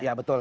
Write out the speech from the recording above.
ya betul ya